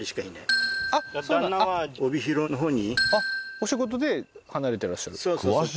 お仕事で離れてらっしゃる？